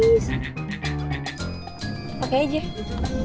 jangan lupa like share dan subscribe ya